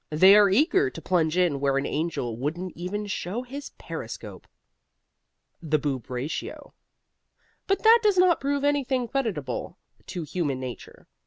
They are eager to plunge in where an angel wouldn't even show his periscope. THE BOOB RATIO But that does not prove anything creditable to human nature.